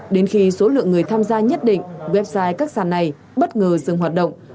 đến khi số lượng người tham gia nhất định website các sàn này bất ngờ dừng hoạt động